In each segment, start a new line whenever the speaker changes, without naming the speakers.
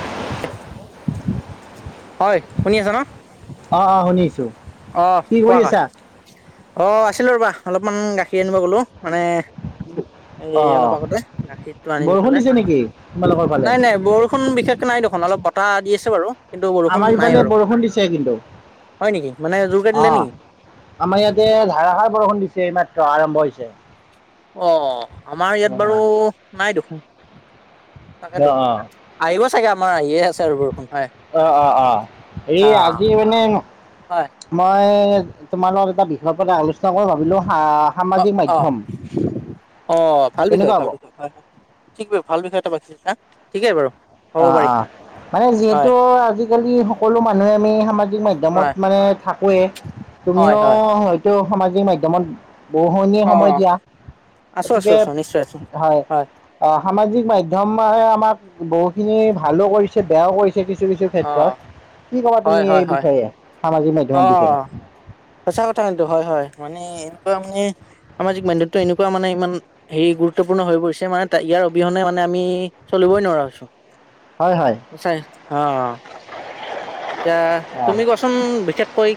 চিচ টেক। হয় শুনি আছ ন?
অ অ শুনিছো
অ
কি কৰি
কোৱা কা
আছা
অ' আছিলো ৰবা। অলপমান গাখীৰ আনিব গলো মানে,
অ
এই অলপ আগতে গাখীৰটো
বৰষুণ
আনিলোফালে।
দিছে নেকি তোমালোকৰ ফালে
নাই নাই বৰষুণ বিশেষকে নাই দেখোন অলপ বতাহ দি আছে বাৰু। কিন্তু বৰষুণ
আমাৰ
নাই
ইফালে
বাৰু
বৰষুণ দিছে কিন্তু।
হয় নেকি মানে জোৰকে দিলে নেকি
অঁ! আমাৰ ইয়াতে ধাৰাসাৰ বৰষুণ দিছে এইমাত্ৰ আৰম্ভ হৈছে।
অঁ আমাৰ ইয়াত বাৰু নাই দেখোন।
য়
তাকেতো
অঁ!
আহিব চাগে আমাৰ আহিয়ে আছে আৰু বৰষুণ হয়
অ অ অ এই
আহ
আজি মানে
হয়
মই তোমাৰ লগত এটা বিষয়ৰ পৰা আলোচনা কৰ ভাবিলো। আ সামাজিক মাধ্যম।
অ ভাল বিষয়
কেনেকুৱা হ'ব
ভাল বিষয় হয় হ ঠিকবেই‌ ভাল বিষয় এটা বাচিছা ঠিকেই বাৰু। হ'ব
অ!
পাৰি
অ! মানে
হয়
যিহেতু আজিকালি সকলো মানুহে আমি সামাজিক মাধ্যমত
হয়
মানে থাকোৱেই।
হয়
তুমিও
হয়
হয়তো সামাজিক মাধ্যমত বহুনি সময়
অঁ
দিয়া।
আছো আছো
গতিকে
আছো নিশ্চয় আছো
হয় আহ সামাজিক মাধ্যমে আমাক বহু খিনি ভালো কৰিছে বেয়াও কৰিছে। কিছু কিছু
অ',
ক্ষেত্ৰত কি ক'বা তুমি এই বিষয়ে, সামাজিক মাধ্যমৰ বিষয়ে
অঁ সঁচা কথা কিন্তু হয় হয়। মানে এনেকুৱা মানে সামাজিক মাধ্যতো এনেকুৱা মানে ইমান হেৰি গুৰুত্বপূৰ্ণ হৈ পৰিছে মানে তাইগে। ইয়াৰ অবিহনে মানে আমি চলিবই নোৱাৰা হৈছোঁ।
হয় হয়
হচাই, অ। এতিয়া
অ
তুমি কোৱাচোন বিশেষকৈ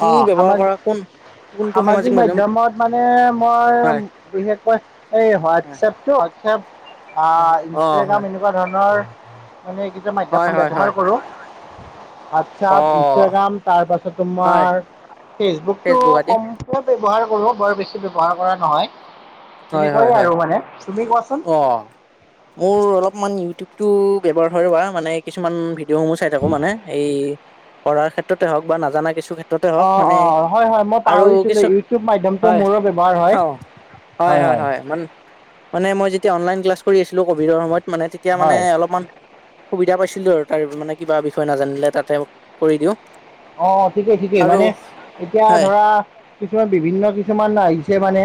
কো
অ সামা
ব্যৱহাৰ কৰা কোন কোনটো
সামাজিক
মাধ্যম
মাধ্যমত মানে মই
হয়,
বিশেষকৈ এই হোৱাত
হয়,
এপ টো হোৱাটপ অ ইনষ্টাগ্ৰাম এনেকুৱা ধৰণৰ। মানে এইকেইটা
হয়,
মাধ্যম
হয়, হয়,
ব্যৱহাৰ কৰোঁ। হোৱাটছপ
অ',
ইনষ্টাগ্ৰাম তাৰ পাছত
হয়,
তোমাৰ ফেচবুকতো
ফেচবুক আদি
কম। ব্যৱহাৰ কৰো বৰ বেছি ব্যৱহাৰ কৰা নহয়।
হয়
তেনেকুৱাই
হয় হয়
আৰু মানে তুমি কোৱাচোন
অ মোৰ অলপমান। ইউটিউব টো ব্যৱহাৰ হয় বা মানে কিছুমান ভিডিঅ' সমূহ চাই থাকো মানে এই। পঢ়াৰ ক্ষেত্ৰতে হওক নাজানা কিছু ক্ষেত্ৰত। ক্ষেত্ৰত হওঁক
অঁ
মানে
অঁ হয় হয় মই
আৰু
পাহৰিছিলোঁ
কিছু
ইউটিউব মাধ্যমটো
হয়
মোৰো ব্যৱহাৰ হয়
খাওঁ। হয় হয় হয় মান মানে মই যেতিয়া অনলাইন ক্লাছ কৰি আছিলোঁ ক'ভিডৰ সময়ত। মানে তেতিয়া মানে
হয়
অলপমান সুবিধা পাইছো। সুধিছিলোঁ আৰু তাৰ মানে কিবা বিষয় নাজানিলে তাতে কৰি দিওঁ।
অ ঠিকেই ঠিকেই
আৰু
মানে এতিয়া
হয়
ধৰা কিছুমান বিভিন্ন কিছুমান আহিছে। আহিছে মানে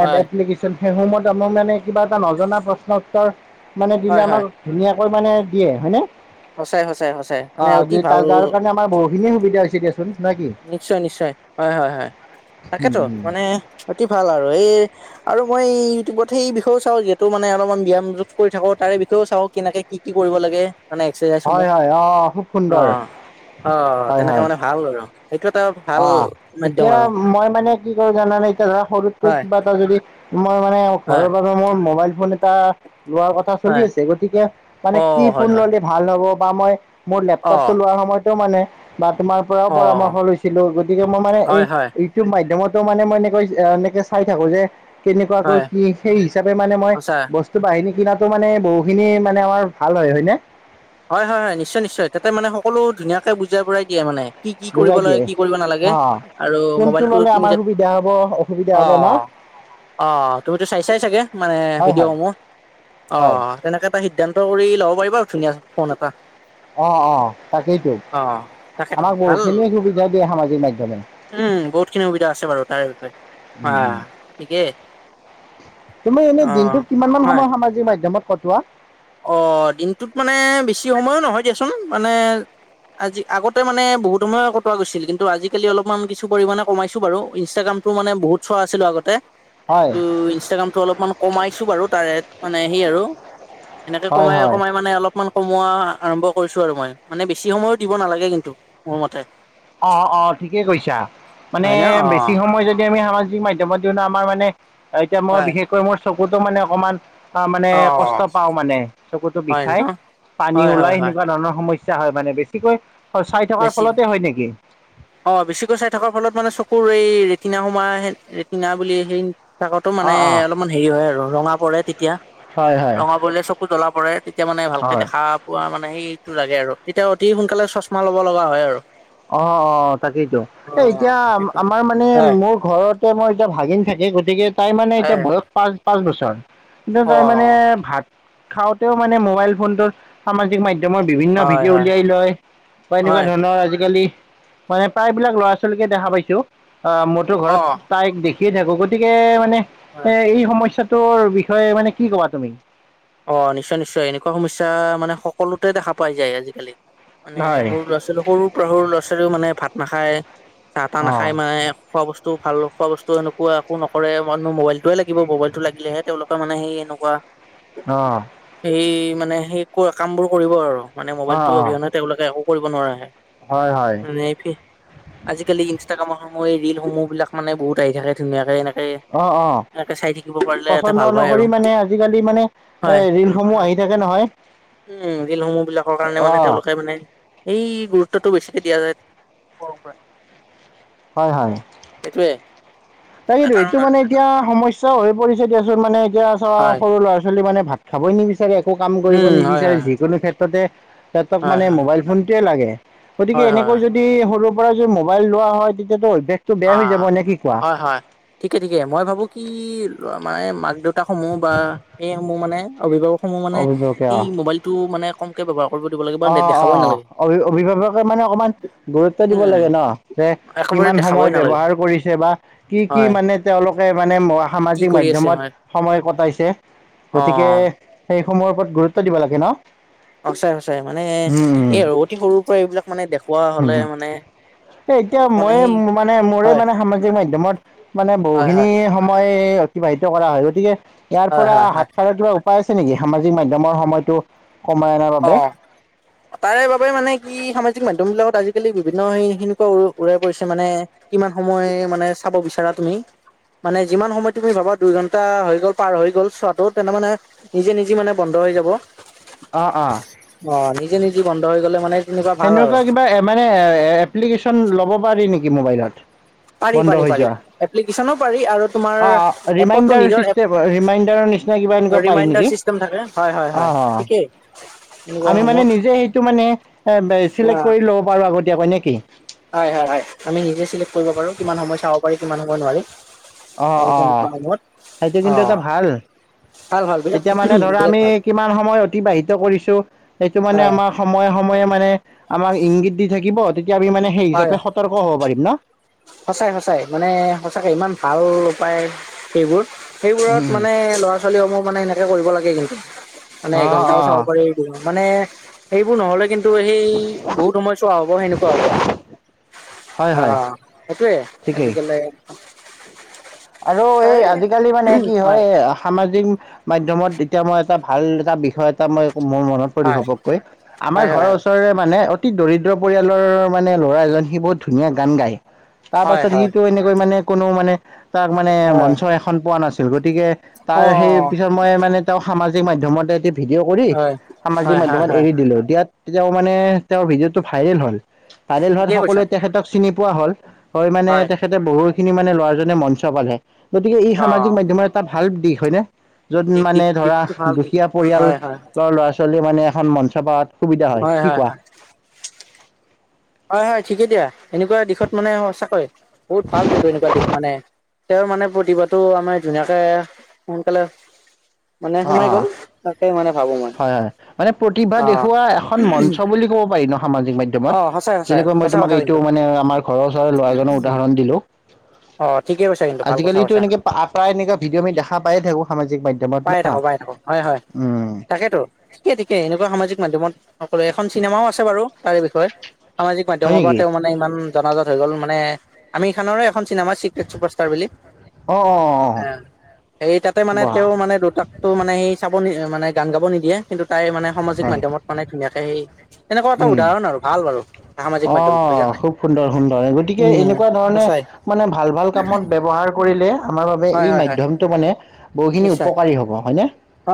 হয়
এপ্লিকেশ্যন সেইসমূহত আমাক মানে কিবা এটা নজনা প্ৰশ্ন উওৰ। মানে দিলে
হয়
আমাক
হয়
ধুনীয়াকৈ মানে দিয়ে হয় নে।
সঁচাই সঁচাই সঁচাই মানে
অহ
অতি ভাল
তাৰ যাৰ কাৰণে আমাৰ বহুতখিনিয়ে সুবিধা হৈছে দিয়া
নিশ্চয় নিশ্চয় হয় হয় হয়
উম
তাকেতো
উম
মানে অতি ভাল আৰু এই। আৰু মই ইউটিউবত সেই বিষয়েও চাওঁ যিহেতু মানে অলপমান ব্যায়ামযোগ কৰি থাকো তাৰে বিষয়ও চাওঁ কেনেকে কি কি কৰিব লাগে। মানে এক্সাইজ
হয়
সমূহ
হয় অঁ খুব সুন্দৰ
অহ অহ
হয়
তেনেকে
হয়
মানে ভাল আৰু সেইটো এটা ভাল
অ
মাধ্যম
এতিয়া
আৰু
মই মানে কি কৰো জানানে এতিয়া ধৰা সৰুতকৈ
হয়
কিবা এটা যদি মই মানে
হয়
ঘৰৰ বাবে মোৰ মোবাইল ফোন এটা। লোৱাৰ কথা চলি
হয়
আছে গতিকে মানে
অ
কি
হয়
ফোন
হয়
ললে ভাল হ'ব বা মই মোৰ
অ
লেপটপটো লোৱাৰ সময়তো মানে বা তোমাৰ পৰাও
অ
পৰামৰ্শ লৈছো লৈছিলো গতিকে মই মানে এই
হয় হয়
ইউটিউব মাধ্যমতো মানে মই এনেকৈ এনেকে চাই থাকো যে কেনেকুৱাকৈ
হয়
কি সেই হিচাপে মানে মই
সঁচা
বস্তু বাহিনী কিনাতো মানে বহুখিনি মানে আমাৰ ভাল হয়। হয় নে?
হয় হয় হয় নিশ্চয় নিশ্চয় তাতে মানে সকলো ধুনীয়াকে বুজাই পৰাই দিয়ে মানে। কি কি কৰিব
বুজাই দিয়ে
লাগে কি কৰিব নালাগে
অ
আৰু
কোনটো
মোবাইলটো
ল'লে
তুমি
আমাৰ
যে
সুবিধা হ'ব অসুবিধা হ'ব ন
অহ। অ তুমিতো চাই চাই চাগে? মানে
হয় হয়
ভিডিঅ'সমূহ। অ
হয়
তেনেকে এটা সিদ্ধান্ত কৰি ল'ব পাৰিবা আৰু ধুনীয়া ফোন এটা।
অ অ তাকেইতো
অ তাকেতো।
আমাক
ভাল
বহুতখিনিয়ে সুবিধা দিয়ে সামাজিক মাধ্যমে।
উম বহুত খিনি সুবিধা আছে বাৰু তাৰ বিষয়ে
উম উম।
অহ থিকেই।
তুমি এনে দিনটোক কিমানমান
হয়।
সময় সামাজিক মাধ্যমত কটোৱা?
অ দিনটোত মানে বেছি সময়ো নহয় দিয়াচোন, মানে আজি আগতে মানে বহুত সময় কটোৱা গৈছিল, কিন্তু আজালি অলপমান কিছু পৰিমানে কমাইছো বাৰু। ইনষ্টগ্ৰম টো মানে বহুত চোৱা আছিলো আগতে।
হয়
কিন্তু ইনষ্টাগ্ৰামতটো অলপমান কমাইছো বাৰু তাৰে মানে সেই আৰু এনেকে
হয়
কমাই
হয়।
কমাই মানে অলপমান কমোৱা আৰম্ভ কৰিছো আৰু মই, মানে বেছি সময়ো দিব নালাগে কিন্তু মোৰ মতে।
অহ অহ ঠিকে কৈছা, মানে
হয় ন অ
বেছি সময় যদি আমি সামাজিক সামাজিক মাধ্যমত দি, আমাৰ মানে এতিয়া মই
হয়
বিশেষকৈ মোৰ চকুতো মানে অকণমান তাৰ মানে
অ
কষ্ট পাওঁ মানে। চকুটো
হয়
বিষাই
ন
পানী
হয় হয়
ওলাই
হয়
সেনেকুৱা ধৰণৰ সমস্যা সমস্যা হয় মানে বেছিকৈ চাই থকাৰ
বেছি
ফলতে হয় নেকি?
অ বেছিকৈ চাই থকাৰ ফলত মানে চকুৰ এই ৰেটিনা সোমাই আহে ৰেটিনা বুলি সেই চকুতো মানে
অঁ অঁ
অলপমান হেৰি হয় আৰু ৰঙা পৰে তেতিয়া।
হয় হয়।
ৰঙা পৰিলে চকু জ্বলা পৰে তেতিয়া মানে ভালকে
হয়।
দেখা পোৱা মানে সেই টো লাগে আৰু তেতিয়া অতি সোনকালে চচমা লব লগা হয় আৰু।
অ অ তাকেইতো
অ
এই এতিয়া আমাৰ মানে
হয়
মোৰ ঘৰত মই এতিয়া ভাগিন থাকে গতিকে তাই মানে এতিয়া
হয়
বয়স পাঁচ পাঁচ বছৰ কিন্তু
অ
তাৰ মানে
হয়
ভাত খাওতেওঁ মানে মোবাইল ফোনটোৰ সামাজিক মাধ্যমৰ মই বিভিন্ন ভিডিঅ'
হয়
উলিয়াই লয় বা এনেকুৱা
হয়
ধৰণৰ আজি আজিকালি মানে প্ৰায়বিলাক ল'ৰা ছোৱালীকে দেখা পাইছোঁ আহ মোৰতো
অ
ঘৰত তাইক দেখি শিকিয়েই থাকো গতিকে মানে
হয়
এ এই সমস্যাৰ বিষয়ে মানে কি কবা তুমি?
অঁ নিশ্চয় নিশ্চয় এনেকুৱা সমস্যা মানে সকলোতে দেখা পাই যায় আজিকালি। মানে
হয়
সৰু ল'ৰা ছোৱালী সৰুৰ পৰা সৰু ল'ৰা ছোৱালীও মানে ভাত নাখায় চাহ তাহ
অঁ
নাখাই মানে খোৱা বস্তু বু ভাল খোৱা বস্তু এনেকুৱা একো নকৰে মানুহ মোবাইলটোৱে লাগিব মোবাইলতটো লাগিলেহে তেওঁলোকে মানে সেই এনেকুৱা
অঁ।
স মানে সেই ক কাম বোৰ কৰিব আৰু মানে
অঁ
মোবাইলতটো
অঁ
অবিহনে তেওঁলোকে একো কৰিব নোৱাৰা হে।
হয় হয়
নে আজিকালি সমূহ এই ৰিল সমূহ বিলাক মানে বহুত আহি থাকে ধুনীয়াকে এনে
অঁ অঁ
এটা
পচন্দ
ভাল পায় আৰু
অনুসৰি মানে আজিকালি মানে এ
হয়। অ
ৰিলসমূহ আহি থাকে নহয়।
উম ৰিলসমূহ বিলাকৰ কাৰণে মানে
অ'
তেওঁলোকে মানে এই গুৰুত্বটো বেছিকে দিয়া যায়।
হয় হয়।
সেইটোৱে
তাকেই
কাৰণ
এইটো
আৰু
মানে এতিয়া সমস্যা হৈ পৰিছে দিয়াচোন মানে এতিয়া চোৱা
হয়
সৰু ল'ৰা ছোৱালী মানে ভাত খাবই নিবিচাৰে একো কাম কৰিব
উম হয়
নিবিচাৰে,
হয়
যিকোনো ক্ষেত্ৰতে তিহতক
হয়
মানে মোবাইল ফোন লাগে গতিকে
হয় হয় হয় হয়
এনেকৈ যদি সৰুৰ পৰা যদি মোবাইল লোৱা হয় তেতিয়াটো বেশতটো
অ
বেয়া হৈ যাব নে কি কোৱা?
হয় হয় ঠিকে ঠিকে মই ভাবো কি মানে মাক দেউতাক সমূহ বা সেই সমূহ মানে অভিভাৱক সমূহ মানে
অভিভাৱকে
এই
অ'
মোবাইলতটো মানে কমকে ব্যৱহাৰ কৰিব দিব লাগে বা
অ অ
দেখাবই নালাগে
অভি অভিভাৱকে মানে অকমান গুৰুত্ব দিব
উম
লাগে ন যে
একেবাৰে
কিমান
দেখাবই
সময়
নালাগে
ব্যৱহাৰ কৰিছে বা কি কি
হয়
মানে তেওঁলোকে মানে
কি
সামাজিক
কৰি আছে
মাধ্যমত
হয়
সময় কটাইছে
অ
গতিকে সেইসমূহৰ ওপৰত গুৰুত্ব দিব লাগে ন।
সঁচাই সঁচাই মানে
উম উম
এই অতি সৰুৰ পৰা এইবিলাক মানে দেখুওৱা হ'লে মানে
এ এতিয়া
তেওঁলোক মানে
মই
সেই
মানে মোৰে
হয়
মানে সামাজিক মাধ্যমত মানে
হয়
বহুখিনি
হয়
সময়। অতিবাহিত কৰা হয় গতিকে ইয়াৰ
হয়
পৰা
হয় হয়
হাতসাৰৰ কিবা উপায় আছে নেকি সামাজিক মাধ্যমৰ সময়তো। কমাই অনাৰ
অ
বাবে।
তাৰে বাবে মানে কি সামাজিক মাধ্যম বিলাকত আজিকালি বিভিন্ন সেই সেনেকুৱা উৰাই পৰিছে মানে। কিমান সময় মানে চাব বিচাৰা তুমি? মানে যিমান সময় তুমি ভাবা দুই ঘন্টা হৈ গ'ল পাৰ হৈ গ'ল চোৱাটো তেনে মানে নিজে নিজে মানে বন্ধ হৈ যাব
অ অ
অ নিজে নিজে বন্ধ হৈ গ'লে মানে তেনেকুৱা ভাল আৰু
সেনেকুৱা কিবা মানে এপ্লিকেশ্যন ল'ব পাৰি নেকি মোবাইলত।
পাৰি
বন্ধ
পাৰি
হৈ
পাৰি
যোৱা
এপ্লিকেশ্যনো পাৰি আৰু তোমাৰ
অ
এপতো
ৰিমাইডাৰ
নিজৰ এপ
চিচতেম হয় ৰিমাইডাৰ নিচিনা। কিবা এনেকুৱা পাৰি
ৰিমাইণ্ডাৰ
নেকি
চিষ্টেম থাকে হয় হয়
অ
হয় ঠিকেই এনেকুৱা
আমি মানে
সময়ত
নিজে সেইটো মানে এ চিলেক্ট কৰি ল'ব পাৰোঁ আগতীয়াকৈ নেকি?
হয় হয় আমি নিজেই চিলেক্ট কৰিব পাৰোঁ কিমান সময় চাব পাৰি কিমান সময় চাব নোৱাৰি।
অ
এই
অ
তেনেকুৱা সময়ত
সেইটো
অ
কিন্তু এটা ভাল
ভাল ভাল বিৰাট
তেতিয়া মানে ধৰা
বিৰাট
আমি
ভাল
কিমান সময় অতিবাহিত কৰিছোঁ সেইটো মানে আমাৰ সময়ে সময়ে- মানে আমাক ইংগিত দি থাকিব তেতিয়া আমি মানে সেই
হয়
হিচাপে
হয়
সতৰ্ক হ'ব পাৰিম ন।
সঁচাই সঁচাই মানে সঁচাকে ইমান ভাল উপায় সেইবোৰ। সেইবোৰত মানে ল'ৰা ছোৱালীসমূহ মানে এনেকে কৰিব লাগে কিন্তু। মানে
অঁ
এঘণ্টাও চাব
অঁ
পাৰি দিব মানে সেইবোৰ নহ'লে কিন্তু সেই বহুত সময় চোৱা হ'ব সেনেকুৱা হ'ব।
হয়
অ
হয়
সেইটোৱে
ঠিকেই
আজিকালি।
আৰু এই
পাৰে
আজিকালি মানে কি হয় সামাজিক মাধ্যমত তেতিয়া মই এটা ভাল এটা বিষয় এটা মই মোৰ মনত পৰি
হয়
হৱকৈ আমাৰ
হয়
ঘৰৰ
হয়
ওচৰৰে মানে অতি দৰিদ্ৰ পৰিয়ালৰ মানে ল'ৰা এজন সি বহুত ধুনীয়া গান গায়। তাৰ
হয় হয়
পাছত
হয়
সিটো এনেকৈ মানে কোনো মানে তাক মানে
হয়
মঞ্চ এখন পোৱা নাছিল গৈ। গতিকে
অ
তাৰ সেই পিছত মই মানে তেওঁ সামাজিক মাধ্যমতে ভিডিঅ' কৰি
হয় হয়
সামাজিক
হয়
মাধ্যমত
হয়
এৰি দিলোঁ। দিয়াত তে মানে তেওঁৰ ভিডিঅ'টো ভাইৰেল হ'ল। ভাইৰেল হোৱাত
ঠিকেই কৈছা
সকলোৱে তেখেতক চিনি পোৱা হ'ল। হয় মানে তেখেতে বহুতখিনি মানে ল'ৰাজনে মঞ্চ চাবলে গতিকে ই
অ
সামাজিক মমাধ্যম ৰ এটা ভাল দিশ হয়নে? য'ত মানে ধৰা
দিশটো ভাল কিন্তু
দুখীয়া
হয় হয়
পৰিয়ালৰ ল'ৰা-ছোৱালী মানে এখন মঞ্চ পাত সুবিধা হয়। কি কোৱা?
হয়, হয় ঠিকেই দিয়া এনেকুৱা দিশত মানে সঁচাকৈ বহুত ভাল কিন্তু এনেকুৱা দিশ মানে তেওঁৰ মানে প্ৰতিভাটো আমাৰ ধুনীয়াকে সোনকালে মানে
অ,
সোমাই
অ,
গ'ল তাকে মানে ভাবো মই
হয়, হয় মানে প্ৰতিভা
অ
দেখুওৱা এখন মঞ্চ বুলি ক'ব পাৰি নহ। সামাজিক মাধ্যমত
অ সঁচাই সঁচাই
যেনেকৈ মই
সঁচা
তোমাক
কথা
এইটো
কিন্তু
মানে আমাৰ ঘৰৰ ওচৰ ল'ৰা জনৰ উদাহৰণ দিলোঁ।
অ ঠিকেই কৈছা কিন্তু ভাল কথা
আজিকালিতো
কৈছা
এনেকে প্ৰায় এনেকুৱা ভিডিঅ' আমি দেখা পায়ে থাকোঁ সামাজিক মাধ্যমত।
পাই
না।
থাকোঁ পাই থাকোঁ হয়, হয়
উম,
তাকেতো ঠিকে ঠিকে এনেকুৱা সামাজিক মাধ্যমত। সকলো এখন চিনেমাও আছে বাৰু তাৰে বিষয়ে সামাজিক
হয়
মাধ্যমৰ পৰা
নেকি?
তেওঁ মানে ইমান জনাজত হৈ গ'ল। মানে আমি খানৰে চিনেমা চিক্ৰেট চুপাৰষ্টাৰ বুলি
অ', অ', অ',
এই তাতে মানে
বাহ
তেওঁ মানে দুটাকটো মানে সেই চাব নি মানে গান গাব নিদিয়ে। কিন্তু, তাই মানে সামাজিক
হয়,
মমাধ্যমত মানে ধুনীয়াকে সেই এনেকুৱা এটা
উম।
উদাহৰণ আৰু ভাল বাৰু। সামাজিক
অ,
মাধ্যমটো সেইকাৰণে
খুব সুন্দৰ, সুন্দৰ। গতিকে,
উম
এনেকুৱা ধৰণে
সঁচাই
মানে ভাল ভাল কামত ব্যৱহাৰ কৰিলে আমাৰ বাবে
হয়
এই
হয় হয়
মাধ্যমটো মানে বহুখিনি
নিশ্চয়
উপকাৰী হ'ব। হয়নে?
অ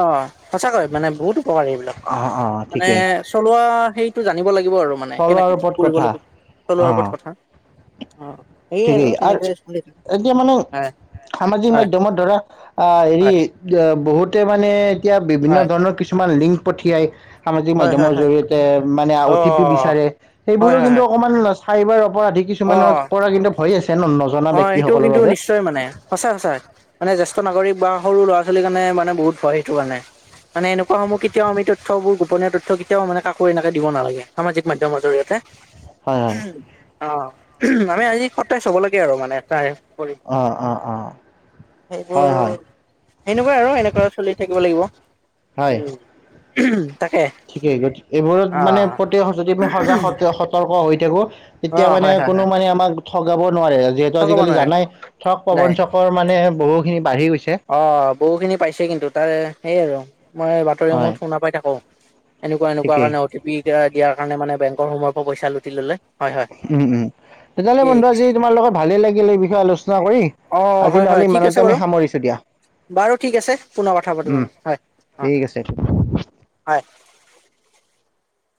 সঁচাকৈ মানে বহুত উপকাৰী এইবিলাক
অ', অ',
মানে
ঠিকেই
চলোৱা সেইটো জানো। জানিব লাগিব আৰু মানে
চলোৱাৰ
কেনেকে কি
ওপৰত
কৰিব
কথা
লাগিব চলোৱাৰ ওপৰত
অ',
কথা। অ, সেয়ে
ঠিকেই আৰু
তেনেকে চলি থাকে
এতিয়া মানে
হয়
সামাজিক
হয়
মাধ্যমত ধৰা হেৰি
হয়
বহুতে মানে এতিয়া বিভিন্ন
হয়
ধৰণৰ কিছুমান লিংক পঠিয়াই। সামাজিক
হয় হয়
মাধ্যমৰ
হয়
জৰি়য়তে মানে অ' টি পি বিচাৰে
হয়
সেইবোৰো
হয়
কিন্তু
হয়
অকমান চাইবাৰ পৰা আধিক কিছুমানৰ পৰা কিন্তু ভৰি আছে। ন নজনা
হয়, সেইটো
ব্যক্তিসকলৰ
কিন্তু
বাবে
নিশ্চয় মানে সঁচা, সঁচা মানে জেষ্ঠ নাগৰিক বা সৰু ল'ৰা-ছোৱালীৰ কাৰণে মানে বহুত ভয় সেইটো কাৰনে। মানে এনেকুৱা সমূহ কেতিয়াও আমি তথ্য গোপনীয় তথ্য কেতিয়াও মানে কাকো এনেকে দিব নালাগে সামাজিক মাধ্যমৰ জৰিয়তে।
হয় হয়।
অ, আমি আজি সতেজ হব লাগে আৰু মানে তাই।
অ, অ, অ। হয়,
সেইবোৰ
হয়,
সেনেকুৱাই আৰু এনেকুৱা চলি থাকিব লাগিব।
হয়,
উম। তাকে
ঠিকেই গ এইবোৰত
অ
মানে প্ৰতি যদি আমি সজাগ সতৰ্ক হৈ থাকো।
অ
তেতিয়া মানে
হয় হয়
কোনো
হয়
মানে আমাক ঠগাব নোৱাৰে। যিহেতু
ক'ব
আজিকালি
নোৱাৰে
জানাই থক
নাই
প্ৰবঞ্চকৰ মানে বহুখিনি বাঢ়ি গৈছে
অ, বহুখিনি পাইছে কিন্তু তাৰে সেইয় আৰু মই
হয়
বাতৰিসমূত শুনাাপাই থাকো। এনেকুৱা এনেকুৱা
ঠিকেই
কাৰণে অ ট পি দিয়াৰ কাৰণে মানে বেংকৰ সময়ৰ পৰা পইচাু লুটি ললে। হয় হয়।
উম, উম তেতিয়াহ'লে
ঠিকেই
বন্ধু আজি তোমাৰ লগত ভালে লাগিল এই বিষয়ে আলোচনা কৰি।
অ'
আজি
হয় হয়
নহ'লে
ঠিক আছে
ইমানতে
বাৰু
আমি সামৰিছো দিয়া।
বাৰু ঠিক আছে পুনৰ কথা পতিম
উম,
হয়, অ,
ঠিক আছে।
হয়। [inaudible]